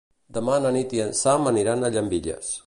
Demà na Nit i en Sam aniran a Llambilles.